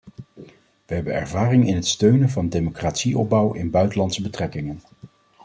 We hebben ervaring in het steunen van democratieopbouw in buitenlandse betrekkingen.